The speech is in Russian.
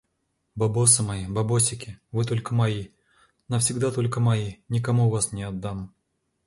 Бабосы мои, бабосики. Вы только мои, навсегда только мои. Никому вас не отдам.